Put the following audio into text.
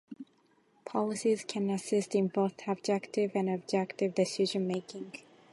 Policies can assist in both "subjective" and "objective" decision making.